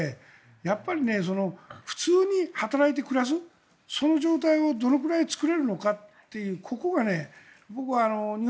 やっぱり普通に働いて暮らすその状態をどのくらい作れるのかっていうここが僕は日本